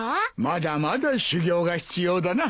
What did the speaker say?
まだまだ修業が必要だな。